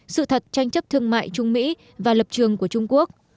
sự thật tranh chấp thương mại trung mỹ và lập trường của trung quốc